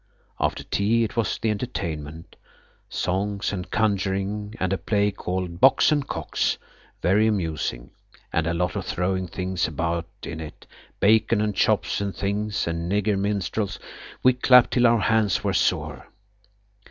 After tea it was the entertainment. Songs and conjuring and a play called "Box and Cox," very amusing, and a lot of throwing things about in it–bacon and chops and things–and nigger minstrels. We clapped till our hands were sore.